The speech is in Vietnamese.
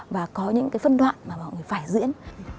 và có những cái phân đoạn mà mọi người phải diễn